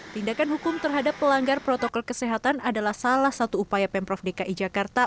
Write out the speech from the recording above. tindakan hukum terhadap pelanggar protokol kesehatan adalah salah satu upaya pemprov dki jakarta